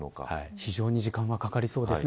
非常に時間はかかりそうですね。